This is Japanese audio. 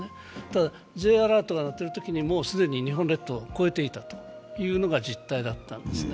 ただ、Ｊアラートが鳴っているときに、既に日本列島を越えていたというのが実態だったんですね。